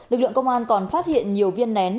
lực lượng công an còn phát hiện nhiều viên nén